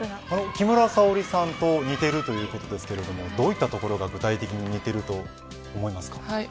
木村沙織さんと似ているということですがどういったところが具体的に似ていると思いますか。